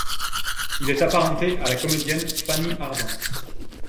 Il est apparenté à la comédienne Fanny Ardant.